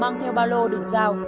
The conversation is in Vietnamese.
mang theo ba lô đường rau